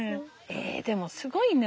えでもすごいね。